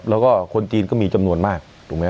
แล้วคนจีนก็มีจำนวนมาก